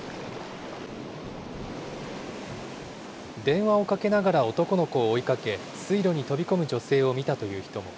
電話をかけながら男の子を追いかけ、水路に飛び込む女性を見たという人も。